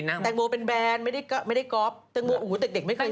แตงโมเป็นแบรนด์ไม่ได้ก๊อฟแตงโมโอ้โหเด็กไม่เคย